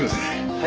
はい。